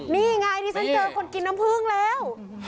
นี่ไงที่ฉันเจอคนกินน้ำผึ้งแล้ว